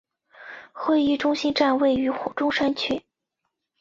会议中心站位于中山区。